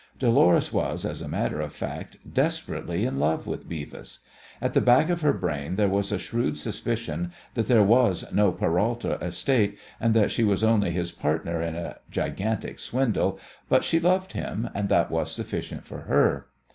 Dolores was, as a matter of fact, desperately in love with Beavis. At the back of her brain there was a shrewd suspicion that there was no Peralta estate, and that she was only his partner in a gigantic swindle, but she loved him, and that was sufficient for her.